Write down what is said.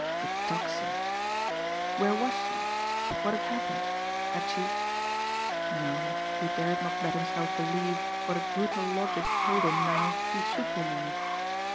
The Tocsin! Where was she? What had happened? Had she no, he dared not let himself believe what a brutal logic told him now he should believe.